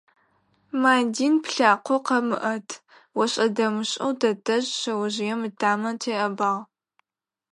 «Мадин, плъакъо къэмыӏэт»,- ошӏэ-дэмышӏэу тэтэжъ шъэожъыем ытамэ теӏэбагъ.